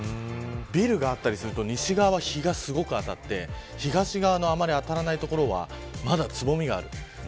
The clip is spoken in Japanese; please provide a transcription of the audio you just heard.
ビルがあったりすると西側は日がすごく当たって東側のあまり当たらない所はまだつぼみがある。